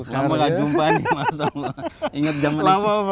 lama gak jumpa nih mas allah